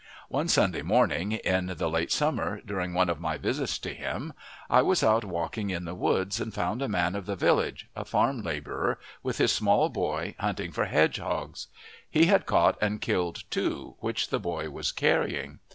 One Sunday morning, in the late summer, during one of my visits to him, I was out walking in the woods and found a man of the village, a farm labourer, with his small boy hunting for hedgehogs. He had caught and killed two, which the boy was carrying.